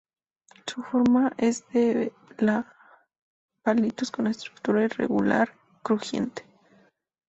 Su forma es de la palitos con estructura irregular crujiente.